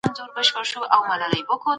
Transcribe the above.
ډاکټران دا حالت عادي بولي.